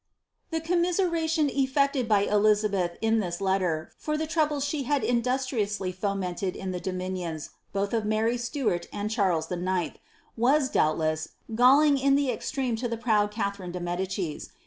"* The commiseration aflected by Elizabeth in this letter for the troubles die had induj^triously fomented in the dominions, both of Mary Stuart nd Charles IX.^ was, doubtless, galling in the extreme to the proud Catherine de Medicis.